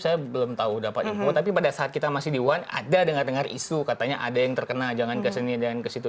saya belum tahu dapat info tapi pada saat kita masih di wuhan ada dengar dengar isu katanya ada yang terkena jangan kesini dan ke situ